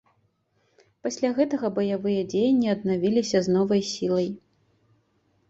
Пасля гэтага баявыя дзеянні аднавіліся з новай сілай.